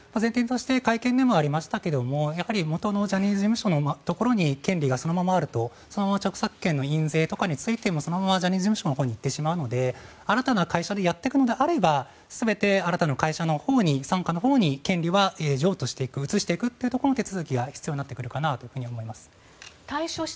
前提として会見でもありましたが元のジャニーズ事務所のところに権利がそのままあると著作権の印税とかについてもそのままジャニーズ事務所のほうへ行ってしまうので新たな会社でやっていくのであれば新たな会社のほうに権利は譲渡していく移していくというところの手続きが必要になってくるかなと思います。